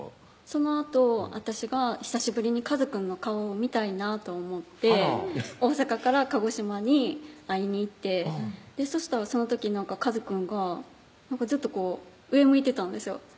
そのあと私が久しぶりにかずくんの顔見たいなと思って大阪から鹿児島に会いに行ってそしたらその時かずくんがずっとこう上向いてたんですよ